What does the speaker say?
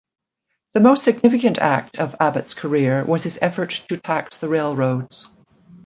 The most significant act of Abbett's career was his effort to tax the railroads.